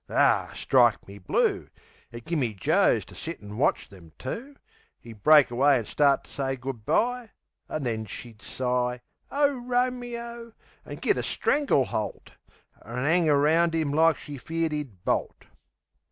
Ar, strike me blue! It gimme Joes to sit an' watch them two! 'E'd break away an' start to say good bye, An' then she'd sigh "Ow, Ro me o!" an' git a strangle holt, An' 'ang around 'im like she feared 'e'd bolt.